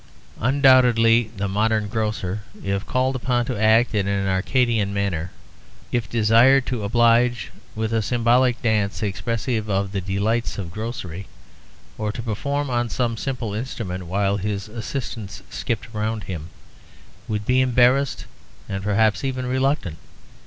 Undoubtedly the modern grocer, if called upon to act in an Arcadian manner, if desired to oblige with a symbolic dance expressive of the delights of grocery, or to perform on some simple instrument while his assistants skipped around him, would be embarrassed, and perhaps even reluctant.